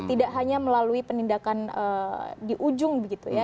tidak hanya melalui penindakan di ujung begitu ya